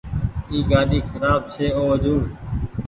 اي گآڏي کراب ڇي او وجون۔